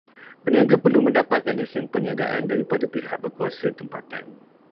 Peniaga perlu mendapatkan lesen peniagaan daripada pihak berkuasa tempatan.